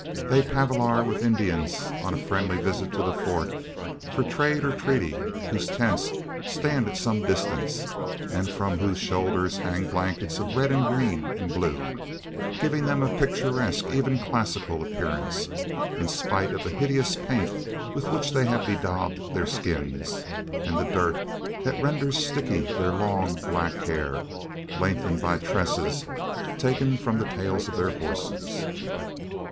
They palaver with Indians on a friendly visit to the Fort, for trade or treaty; whose tents stand at some distance, and from whose shoulders hang blankets of red, and green, and blue giving them a picturesque, even classical, appearance, in spite of the hideous paint with which they have bedaubed their skins, and the dirt that renders sticky their long black hair, lengthened by tresses taken from the tails of their horses.